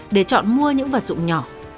để chọn mua những vật dụng nhỏ